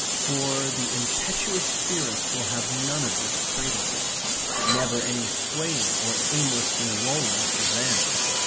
For the impetuous spirits will have none of this cradling. Never any swaying or aimlessly lolling for them.